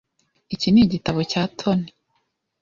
Iki ni igitabo cya Tony .